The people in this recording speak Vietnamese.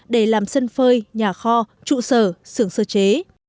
để làm sân phơi nhà kho trụ sở xưởng sơ chế